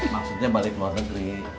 maksudnya balik luar negeri